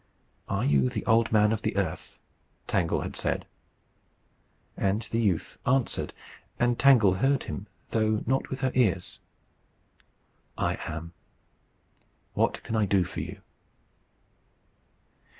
"Are you the Old Man of the Earth?" Tangle had said. And the youth answered, and Tangle heard him, though not with her ears: "I am. What can I do for you?"